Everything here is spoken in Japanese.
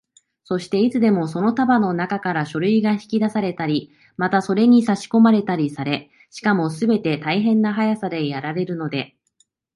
そして、いつでもその束のなかから書類が引き出されたり、またそれにさしこまれたりされ、しかもすべて大変な速さでやられるので、